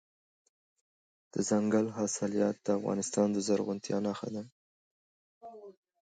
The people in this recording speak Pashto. دځنګل حاصلات د افغانستان د زرغونتیا نښه ده.